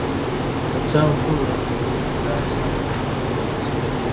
که څه هم ټولو راته ویل چې لار سخته ده او ستړې به شم،